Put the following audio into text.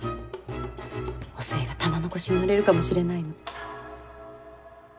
お寿恵が玉のこしに乗れるかもしれないの。